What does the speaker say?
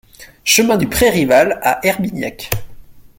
Chemin du Pré Rival à Herbignac